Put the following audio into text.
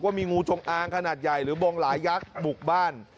งูจงอางขนาดใหญ่หรือบงหลายยักษ์บุกบ้าน